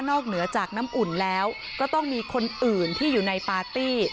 เหนือจากน้ำอุ่นแล้วก็ต้องมีคนอื่นที่อยู่ในปาร์ตี้